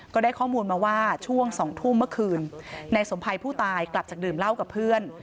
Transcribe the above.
ก็ได้ข้อมูลมาว่าช่วง๒ทุ่มเมื่อคืนนายสมภัยผู้ตายกลับจากดื่มเหล้ากับเพื่อน